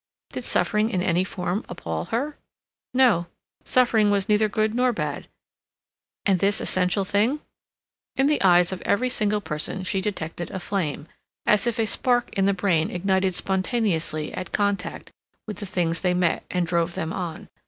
Did suffering in any form appall her? No, suffering was neither good nor bad. And this essential thing? In the eyes of every single person she detected a flame; as if a spark in the brain ignited spontaneously at contact with the things they met and drove them on.